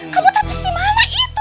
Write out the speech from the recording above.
kamu tuh harus dimana itu